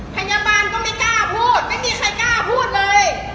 พยาบาลก็ไม่กล้าพูดไม่มีใครกล้าพูดเลย